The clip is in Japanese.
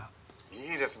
「いいですね